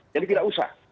jadi tidak usah